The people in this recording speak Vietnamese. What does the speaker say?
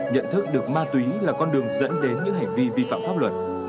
nhận thức được ma túy là con đường dẫn đến những hành vi vi phạm pháp luật